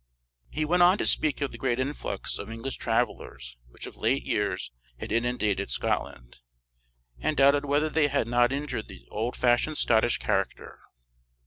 He went on to speak of the great influx of English travellers which of late years had inundated Scotland; and doubted whether they had not injured the old fashioned Scottish character.